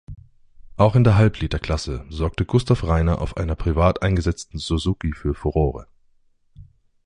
Auch in der Halbliter-Klasse sorgte Gustav Reiner auf einer privat eingesetzten Suzuki für Furore.